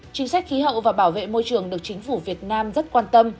chính sách khí hậu và bảo vệ môi trường được chính phủ việt nam rất quan tâm